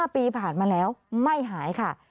๕ปีผ่านมาแล้วไม่หายค่ะ